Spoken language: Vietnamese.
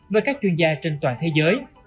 với các chuyên gia trên toàn thế giới